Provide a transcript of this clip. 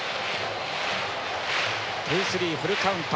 ツースリー、フルカウント。